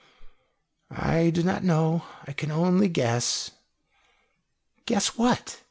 "I do not know. I can only guess." "Guess what?"